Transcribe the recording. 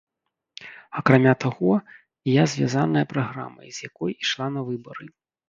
Акрамя таго, я звязаная праграмай, з якой ішла на выбары.